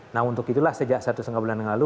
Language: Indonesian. nah untuk itulah sejak satu setengah bulan yang lalu